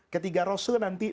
ketika rasul nanti